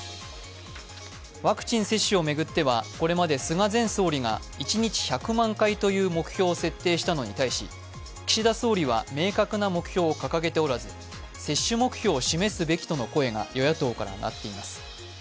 ワクチン接種を巡ってはこれまで菅前総理が一日１００万回という目標を設定したのに対し岸田総理は明確な目標を掲げておらず接種目標を示すべきとの声が与野党から上がっています。